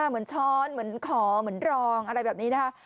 เหมือนช้อนเหมือนขอเหมือนรองอะไรแบบนี้นะคะ